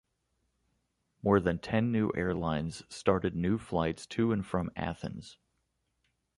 More than ten new airlines started new flights to and from Athens.